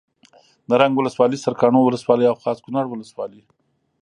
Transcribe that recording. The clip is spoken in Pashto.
نرنګ ولسوالي سرکاڼو ولسوالي او خاص کونړ ولسوالي